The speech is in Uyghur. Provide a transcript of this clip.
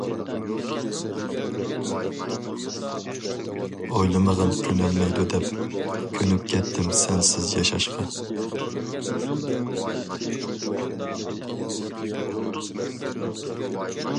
ئويلىمىغىن كۆنەلمەيدۇ دەپ، كۆنۈپ كەتتىم سەنسىز ياشاشقا.